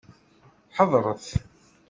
Heḍṛet!